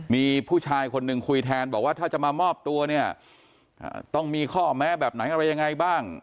มีผู้ชายคนหนึ่งคุยแทนบอกว่าถ้าจะมามอบตัวเนี่ยต้องมีข้อแม้แบบไหนอะไรยังไงบ้าง